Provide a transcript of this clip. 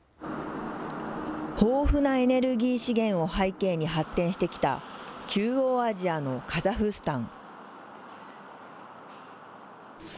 豊富なエネルギー資源を背景に発展してきた中央アジアのカザフスタン。